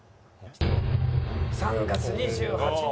「３月２８日！！」